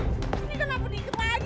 ini kenapa dingin lagi sih